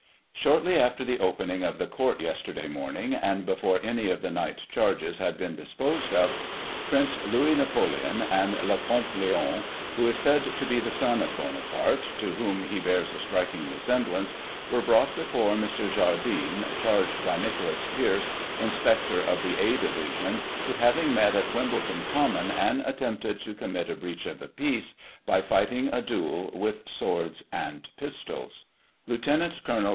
— Shortly after the. opening of the court yesterday morning, and before any of the night charges had been disposed of. Prince Louis Napoleon and Le Comte Leon, who is said to be the son of Bonaparte, to whom he bears a striking resemblance, were brought before Mr. Jardine, charged by Nicholas Pearce, inspector of the A division, with having met at Wimbledon Common, and attempted to com mit a breach of the peace, by fighting a duel with swords and pistols. Lieut Col.